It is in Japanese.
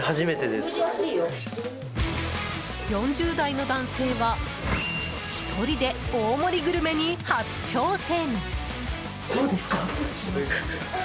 ４０代の男性は１人で大盛りグルメに初挑戦！